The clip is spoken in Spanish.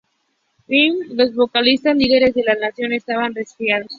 McLean, los dos vocalistas líderes de la canción, estaban resfriados.